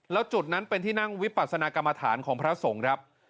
แล้วจุดนั้นเป็นที่นั่งวิปัสนากรรมฐานของพระสงฆ์ครับ